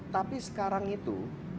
tapi sekarang itu